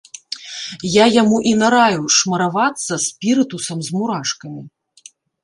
Я яму і нараіў шмаравацца спірытусам з мурашкамі.